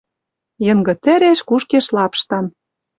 Йынгы тӹреш кушкеш лапштан